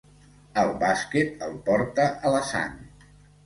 El bàsquet el porta a la sang.